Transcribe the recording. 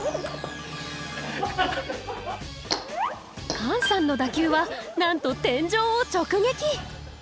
カンさんの打球はなんと天井を直撃